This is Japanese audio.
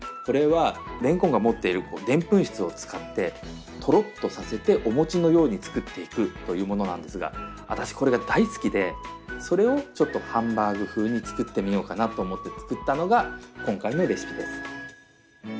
これはれんこんが持っているでんぷん質を使ってトロッとさせてお餅のように作っていくというものなんですが私これが大好きでそれをハンバーグ風に作ってみようかなと思って作ったのが今回のレシピです。